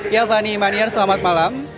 ya vani manier selamat malam